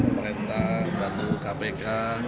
pemerintah bantu kpk